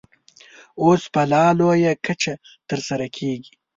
اوس په لا لویه کچه ترسره کېږي.